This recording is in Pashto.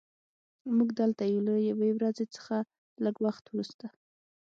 موږ دلته یو له یوې ورځې څخه لږ وخت وروسته